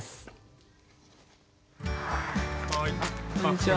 こんにちは。